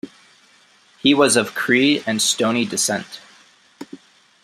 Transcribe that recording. He was of Cree and Stoney descent.